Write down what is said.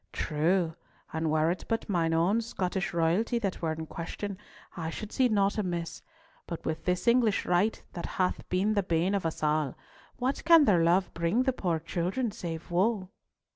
"True; and were it but mine own Scottish royalty that were in question I should see naught amiss, but with this English right that hath been the bane of us all, what can their love bring the poor children save woe?"